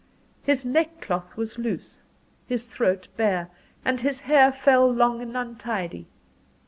His neckcloth was loose, his throat bare, and his hair fell long and untidy.